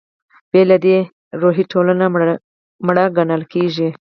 بې له دې روحه ټولنه مړه ګڼل کېږي.